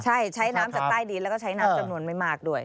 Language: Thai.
ใช่ใช้น้ำจากใต้ดินแล้วก็ใช้น้ำจำนวนไม่มากด้วย